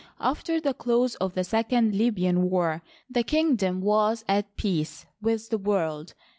After the close of the second Libyan war, the kingdom was at peace with the world.